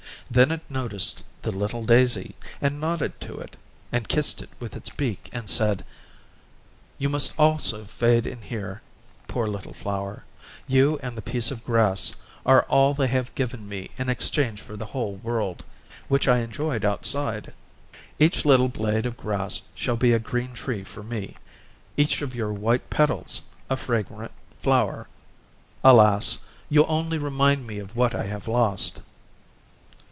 Then it noticed the little daisy, and nodded to it, and kissed it with its beak and said: "You must also fade in here, poor little flower. You and the piece of grass are all they have given me in exchange for the whole world, which I enjoyed outside. Each little blade of grass shall be a green tree for me, each of your white petals a fragrant flower. Alas! you only remind me of what I have lost."